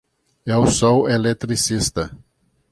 Eu sou eletricista.